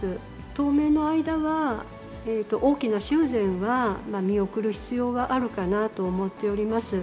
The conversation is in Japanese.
当面の間は、大きな修繕は見送る必要はあるかなと思っております。